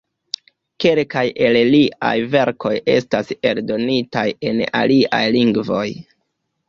Kelkaj el liaj verkoj estas eldonitaj en aliaj lingvoj.